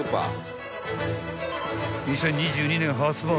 ［２０２２年発売